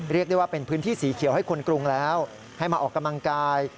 เรียกได้ว่าเป็นพื้นที่สีเขียวให้คนกรุงแล้วให้มาออกกำลังกาย